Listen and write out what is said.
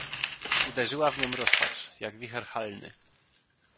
"Uderzyła w nią rozpacz, jak wicher halny."